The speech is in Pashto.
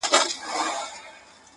منصور دا ځلي د دې کلي ملا کړو,